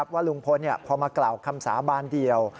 ว่าลุงพลพอมากล่าวคำสาบานเดียว